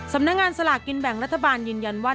สำนักงานสลากกินแบ่งรัฐบาลยืนยันว่า